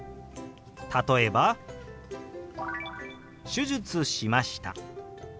例えば「手術しました」。